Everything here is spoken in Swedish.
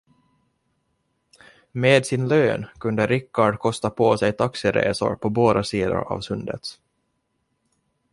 Med sin lön kunde Richard kosta på sig taxiresor på båda sidor av sundet.